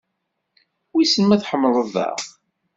Wisen ma tḥemmleḍ-aɣ?